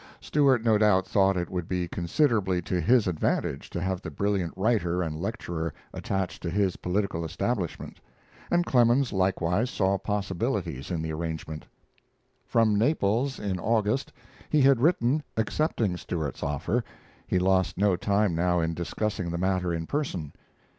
Stewart no doubt thought it would be considerably to his advantage to have the brilliant writer and lecturer attached to his political establishment, and Clemens likewise saw possibilities in the arrangement. From Naples, in August, he had written accepting Stewart's offer; he lost no time now in discussing the matter in person.